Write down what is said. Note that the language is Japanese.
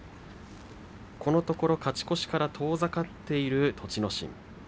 このところ勝ち越しから遠ざかっている栃ノ心。